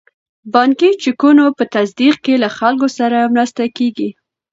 د بانکي چکونو په تصدیق کې له خلکو سره مرسته کیږي.